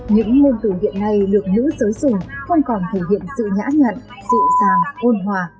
những nguồn từ hiện nay được nữ sử dụng không còn thể hiện sự nhã nhận dị dàng ôn hòa